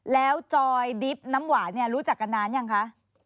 แล้วจอยดิบน้ำหวานเนี่ยรู้จักกันนานยังคะ